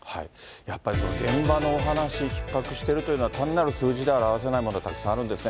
やっぱりその現場のお話、ひっ迫しているというのは、単なる数字では表せないものがたくさんあるんですね。